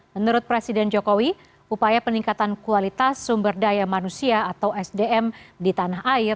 menurut presiden jokowi upaya peningkatan kualitas sumber daya manusia atau sdm di tanah air